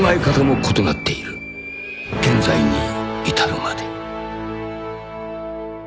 ［現在に至るまで］